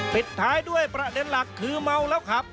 ปิดท้ายด้วยประเด็นหลักคือเมาแล้วขับ